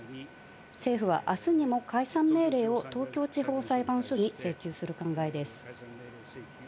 政府はあすにも解散命令を東京地方裁判所に請求する考えです。